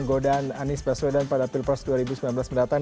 godan anies baswedan pada pilpres dua ribu sembilan belas mendatang